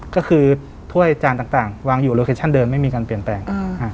ก็คือถ้วยจานต่างวางอยู่โลเคชันเดินไม่มีการเปลี่ยนแปลง